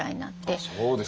そうですか。